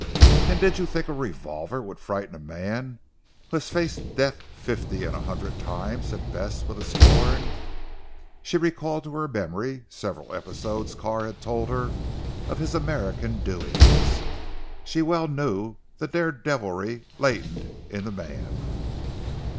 "And did you think a revolver would frighten a man who had faced death fifty and a hundred times?" said Bess with scorn. She recalled to her memory several episodes Carr had told her of his American doings; she well knew the dare devilry latent in the man.